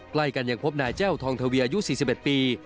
ใกล้กันยังพบนายแจ้วทองทวีอายุ๔๑ปี